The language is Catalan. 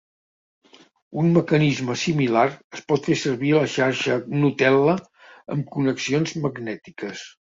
Un mecanisme similar es pot fer servir a la xarxa Gnutella amb connexions magnètiques.